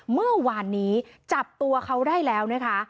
เมื่อวานนี้จับตัวเขาได้แล้วนะคะ